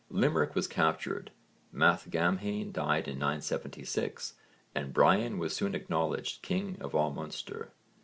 Limerick was captured, Mathgamhain died in 976 and Brian was soon acknowledged king of all Munster.